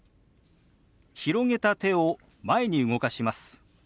広げた手を前に動かします。